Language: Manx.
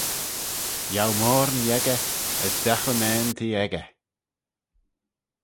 Yiow moyrn lhieggey, as dagh unnane t'eh echey